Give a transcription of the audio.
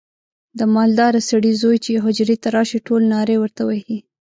د مالداره سړي زوی چې حجرې ته راشي ټول نارې ورته وهي.